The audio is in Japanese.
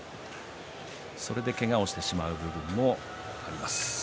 それでけがをしてしまう部分あります。